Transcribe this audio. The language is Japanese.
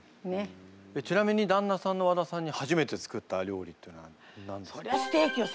ちなみにだんなさんの和田さんに初めて作った料理っていうのは何だったんですか？